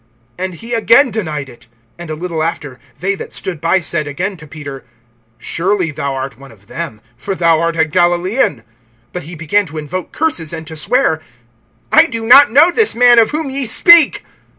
(70)And he again denied it. And a little after, they that stood by said again to Peter: Surely thou art one of them; for thou art a Galilaean. (71)But he began to invoke curses, and to swear: I do not know this man of whom ye speak.